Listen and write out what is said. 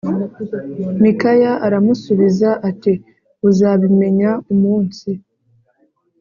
Mikaya aramusubiza ati uzabimenya umunsi